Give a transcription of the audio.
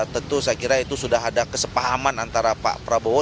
tentu saya kira itu sudah ada kesepahaman antara pak prabowo